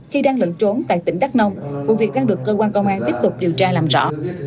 khi đang lẩn trốn tại tỉnh đắk nông vụ việc đang được cơ quan công an tiếp tục điều tra làm rõ